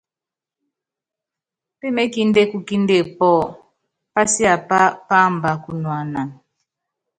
Pémékindé kukinde pɔ́ɔ́, pasiápá páamba kunuanana.